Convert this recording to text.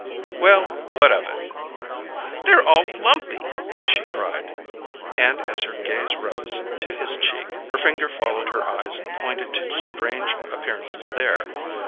"Well, what of it?" "They're all lumpy!" she cried, and, as her gaze rose to his cheek, her finger followed her eyes and pointed to strange appearances there.